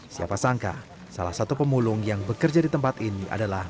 siapa sangka salah satu pemulung yang bekerja di tempat ini adalah